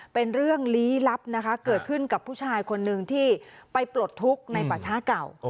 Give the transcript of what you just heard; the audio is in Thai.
เป็นเรื่องลี้ลับนะคะเกิดขึ้นกับผู้ชายคนหนึ่งที่ไปปลดทุกข์ในป่าช้าเก่า